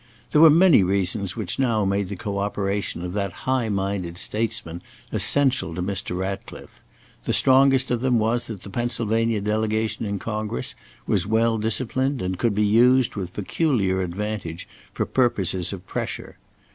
There were many reasons which now made the co operation of that high minded statesman essential to Mr. Ratcliffe. The strongest of them was that the Pennsylvania delegation in Congress was well disciplined and could be used with peculiar advantage for purposes of "pressure."